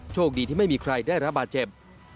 โชคดีที่ไม่มีใครได้รับบาดเจ็บ